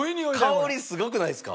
香りすごくないですか？